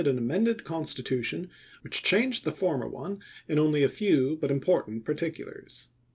an amended constitution which changed the former i864. one in only a few but important particulars.